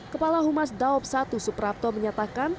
kepala humas daob satu suprapto menyatakan